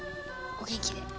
お元気で。